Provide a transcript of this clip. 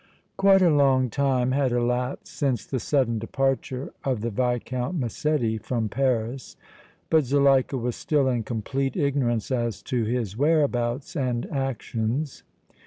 Quite a long time had elapsed since the sudden departure of the Viscount Massetti from Paris, but Zuleika was still in complete ignorance as to his whereabouts and actions.